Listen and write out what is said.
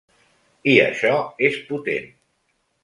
I això és potent.